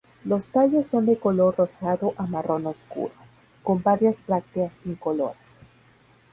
Los tallos son de color rosado a marrón oscuro, con varias brácteas incoloras.